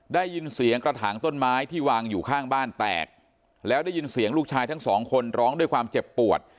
ได้ยินเสียงกระถางต้นไม้ที่วางอยู่ข้างบ้านแตกแล้วได้ยินเสียงลูกชายทั้งสองคนร้องด้วยความเจ็บปวด